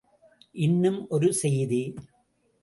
இன்னும் ஒரு செய்தி!